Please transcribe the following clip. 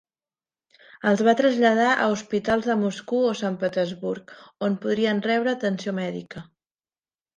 Els va traslladar a hospitals de Moscou o Sant Petersburg, on podrien rebre atenció mèdica.